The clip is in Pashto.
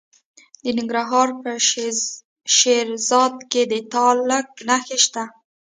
د ننګرهار په شیرزاد کې د تالک نښې شته.